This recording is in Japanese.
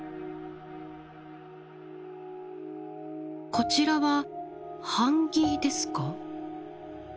こちらは版木ですか？